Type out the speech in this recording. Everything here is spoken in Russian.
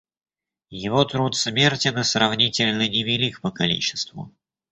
Его труд смертен и сравнительно невелик по количеству.